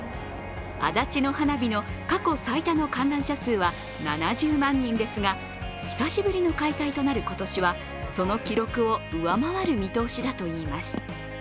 足立の花火の過去最多の観覧者数は７０万人ですが、久しぶりの開催となる今年はその記録を上回る見通しだといいます。